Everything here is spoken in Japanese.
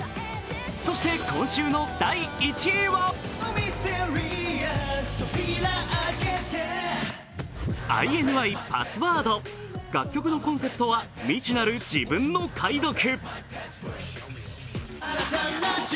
そして今週の第１位はＩＮＩの「Ｐａｓｓｗｏｒｄ」楽曲のコンセプトは未知なる自分の解読。